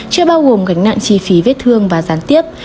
chưa bao gồm gánh nặng chi phí vết thương và gián tiếp